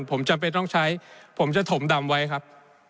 ผมจำเป็นต้องใช้ผมจะถมดำไว้ครับ